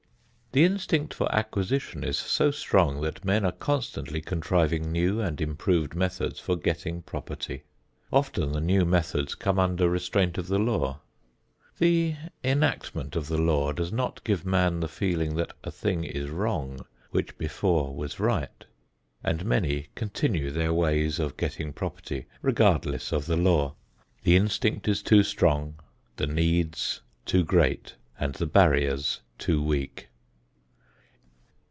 The instinct for acquisition is so strong that men are constantly contriving new and improved methods for getting property. Often the new methods come under restraint of the law. The enactment of the law does not give man the feeling that a thing is wrong which before was right and many continue their ways of getting property, regardless of the law. The instinct is too strong, the needs too great, and the barriers too weak.